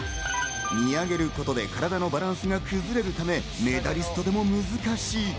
見上げることで体のバランスが崩れるため、メダリストでも難しい。